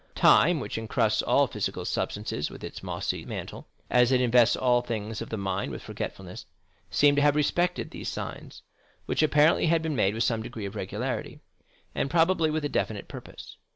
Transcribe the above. Time, which encrusts all physical substances with its mossy mantle, as it invests all things of the mind with forgetfulness, seemed to have respected these signs, which apparently had been made with some degree of regularity, and probably with a definite purpose.